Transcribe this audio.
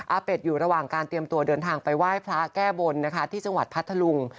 เป็ดอยู่ระหว่างการเตรียมตัวเดินทางไปไหว้พระแก้บนนะคะที่จังหวัดพัทธลุง